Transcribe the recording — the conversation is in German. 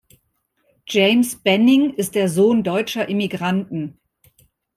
James Benning ist der Sohn deutscher Immigranten.